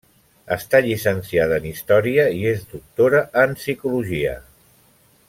Està llicenciada en història i és doctora en Psicologia.